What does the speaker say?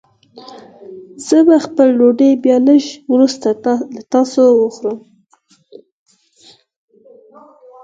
زه به خپله ډوډۍ بيا لږ وروسته له تاسو وخورم.